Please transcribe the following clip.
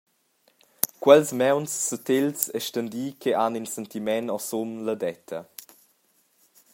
Quels mauns satels e stendi che han in sentiment osum la detta.